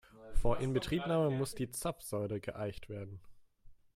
Vor Inbetriebnahme muss die Zapfsäule geeicht werden.